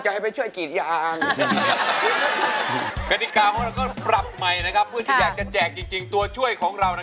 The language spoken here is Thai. ซื้อไว้ทุกขี่ยางหรืออะไรไปขายมาตรงชาวรถเข้าไป